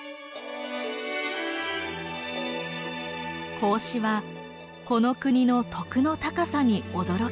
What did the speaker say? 孔子はこの国の徳の高さに驚きました。